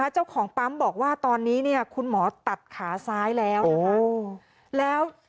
เจ้าของปั๊มบอกว่าตอนนี้คุณหมอตัดขาซ้ายแล้วนะคะ